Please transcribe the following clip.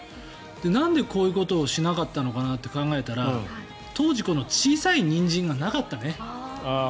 なんで、こういうことをしなかったのかなと考えたら当時、小さいニンジンがなかったね。